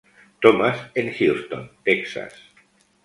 Thomas en Houston, Texas.